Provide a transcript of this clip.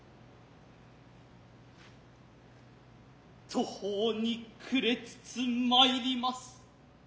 途方に暮れつつ参ります。